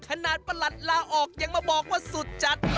ประหลัดลาออกยังมาบอกว่าสุดจัด